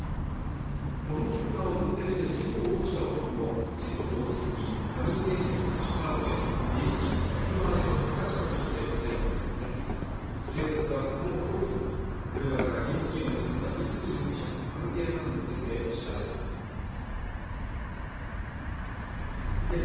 この車を運転して事故を起こした男も事故当日に他人名義のキャッシュカードで現金１００万円を引き出したとして逮捕されていて警察はこの男と車から現金を盗んだ三角容疑者の関係などについて調べを進めていますけさ